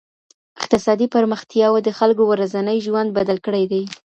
اقتصادي پرمختياوو د خلګو ورځنی ژوند بدل کړی دی.